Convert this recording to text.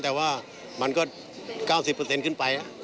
แต่ว่ามันก็๙๐เปอร์เซ็นต์ขึ้นไป